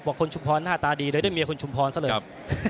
บอกคนชุมพรหน้าตาดีเลยด้วยเมียคนชุมพรสะเริ่ม